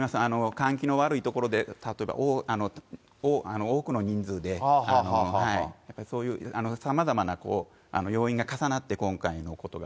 換気の悪い所で例えば多くの人数でやっぱりそういう、さまざまなこう、要因が重なって今回のことが。